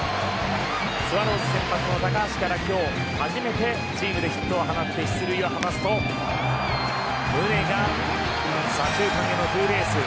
スワローズ先発の高橋から今日初めてチームでヒットを放って出塁をすると宗が左中間へのツーベース。